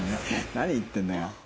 何言ってんだよ。